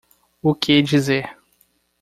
O que dizer